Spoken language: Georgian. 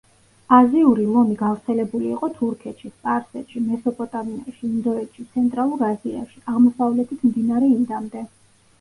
აზიური ლომი გავრცელებული იყო თურქეთში, სპარსეთში, მესოპოტამიაში, ინდოეთში, ცენტრალურ აზიაში, აღმოსავლეთით მდინარე ინდამდე.